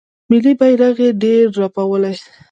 ملي بیرغ یې ډیر رپولی